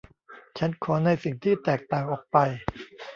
ฉันขอในสิ่งที่แตกต่างออกไป